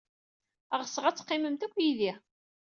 Ɣseɣ ad teqqimemt akk yid-i.